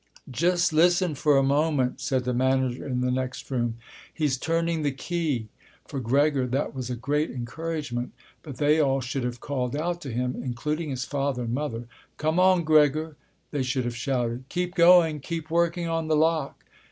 "Just listen for a moment," said the manager in the next room; "he's turning the key." For Gregor that was a great encouragement. But they all should've called out to him, including his father and mother, "Come on, Gregor," they should've shouted; "keep going, keep working on the lock."